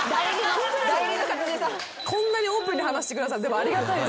こんなにオープンに話してくださるのありがたい。